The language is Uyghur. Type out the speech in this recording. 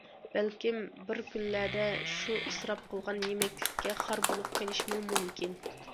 بەلكىم بىر كۈنلەردە شۇ ئىسراپ قىلغان يېمەكلىككە خار بولۇپ قېلىشمۇ مۇمكىن.